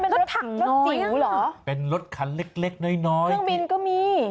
มันเป็นรถถั่งรถจิ๋วเหรอนั่งบินก็มีเป็นรถคันเล็กน้อย